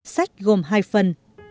sách gồm hai phần